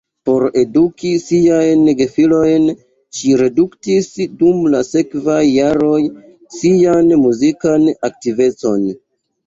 Por eduki siajn gefilojn ŝi reduktis dum la sekvaj jaroj sian muzikan aktivecon.